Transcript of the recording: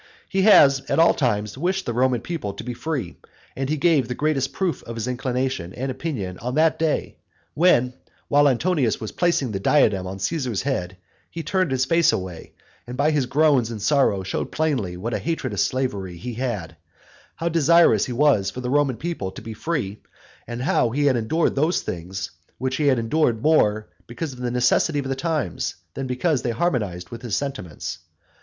He has at all times wished the Roman people to be free, and he gave the greatest proof of his inclination and opinion on that day, when, while Antonius was placing the diadem on Caesar's head, he turned his face away, and by his groans and sorrow showed plainly what a hatred of slavery he had, how desirous he was for the Roman people to be free, and how he had endured those things which he had endured more because of the necessity of the times, than because they harmonised with his sentiments.